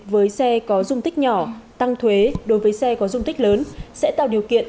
với xe có dung tích nhỏ tăng thuế đối với xe có dung tích lớn sẽ tạo điều kiện